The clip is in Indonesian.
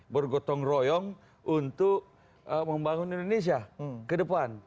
bergotong royong untuk membangun indonesia ke depan